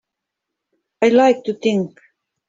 I'd like to think.